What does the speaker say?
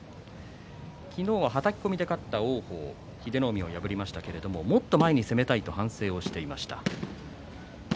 昨日は、はたき込みで勝った王鵬、英乃海を破りましたが、もっと前に攻めたいと反省していました。